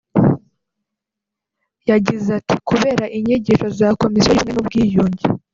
yagize ati ”kubera inyigisho za Komisiyo y’Ubumwe n’Ubwiyunge